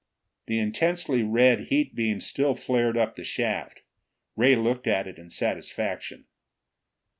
The intensely red heat beam still flared up the shaft. Ray looked at it in satisfaction.